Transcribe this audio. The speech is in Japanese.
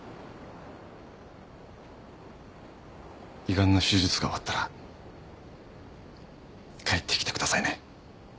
胃ガンの手術が終わったら帰ってきてくださいね。